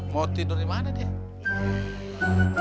mau tidur di mana dia